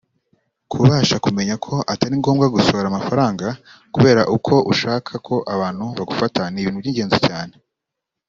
Kubasha kumenya ko atari ngombwa gusohora amafaranga kubera uko ushaka ko abantu bagufata ni ibintu by’ingenzi cyane